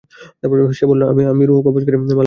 সে বলল, আমি রূহ কবজকারী মালাকুল মওত।